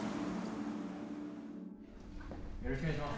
よろしくお願いします